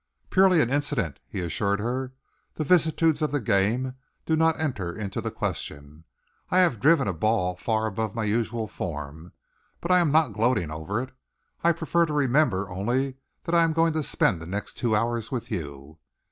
"Purely an incident," he assured her. "The vicissitudes of the game do not enter into the question. I have driven a ball far above my usual form, but I am not gloating over it. I prefer to remember only that I am going to spend the next two hours with you."